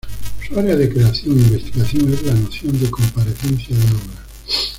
Su área de creación e investigación es la noción de comparecencia de obra.